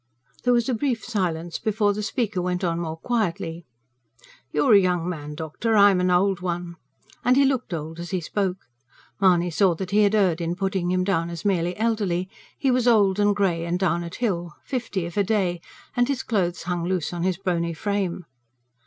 There was a brief silence before the speaker went on more quietly: "You're a young man, doctor, I'm an old one." And he looked old as he spoke; Mahony saw that he had erred in putting him down as merely elderly. He was old and grey and down at heel fifty, if a day and his clothes hung loose on his bony frame.